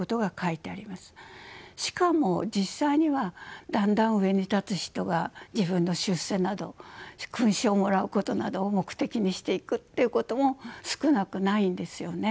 しかも実際にはだんだん上に立つ人が自分の出世など勲章をもらうことなどを目的にしていくっていうことも少なくないんですよね。